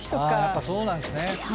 やっぱそうなんすね。